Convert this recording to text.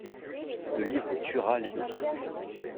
Le livre tuera l’édifice.